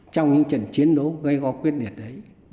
trong những trận chiến đấu gây go quyết liệt đấy